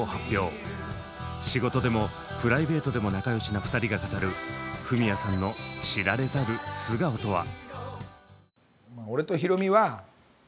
仕事でもプライベートでも仲良しな２人が語るフミヤさんの知られざる素顔とは？